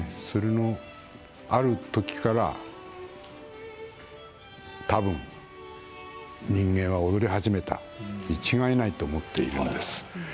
それのあるときから、たぶん人間は踊り始めたに違いないと思っているんです。